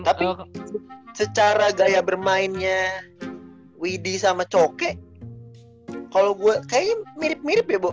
tapi secara gaya bermainnya widy sama coknya kayaknya mirip mirip ya bo